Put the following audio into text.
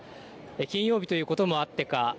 金曜日ということもあってか